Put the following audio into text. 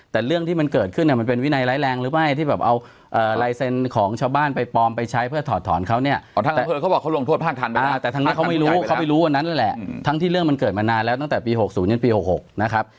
ตั้งแต่เดือนไหนครับที่ไม่หักมกราสิ้นเดือนมกราเลิกหัก